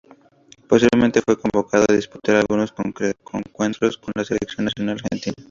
Posteriormente fue convocado a disputar algunos encuentros con la Selección Nacional Argentina.